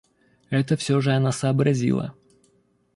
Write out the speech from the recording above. Это всё же она сообразила.